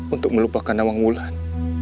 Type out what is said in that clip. untuk melupakan awang bulan